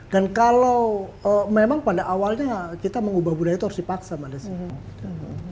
dan kalau memang pada awalnya kita mengubah budaya itu harus dipaksa pada sini